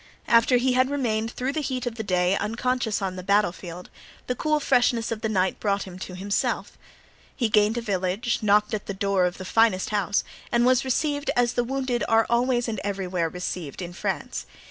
After he had remained through the heat of the day unconscious on the battle field, the cool freshness of the night brought him to himself. He gained a village, knocked at the door of the finest house and was received as the wounded are always and everywhere received in France.